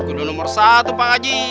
kudu nomor satu pak haji